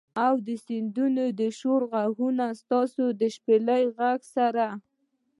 او د سیند د شور ږغ، ستا د شپیلۍ د ږغ سره